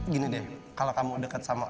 gini deh kalo kamu deket sama